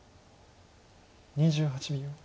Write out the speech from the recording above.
２８秒。